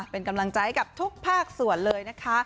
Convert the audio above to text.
เป็นกำลังใจกับทุกภาคส่วนเลยนะคะ